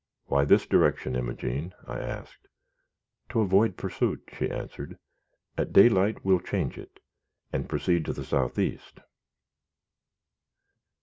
"Why this direction, Imogene?" I asked. "To avoid pursuit," she answered. "At daylight we will change it, and proceed to the south east."